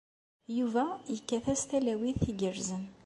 Yuba yekkat-as talawit igerrzen.